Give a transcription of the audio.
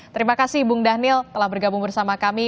terima kasih bung dhanil telah bergabung bersama kami